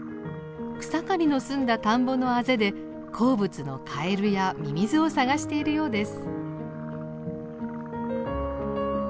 草刈りの済んだ田んぼの畦で好物のカエルやミミズを探しているようです。